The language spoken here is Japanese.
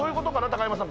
高山さん。